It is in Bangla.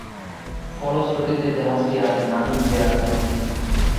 ফলশ্রুতিতে জাহাজটি আর নামিবিয়ার ভেড়েনি।